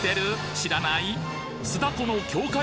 知らない？